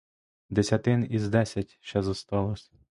Десятин із десять ще зосталось.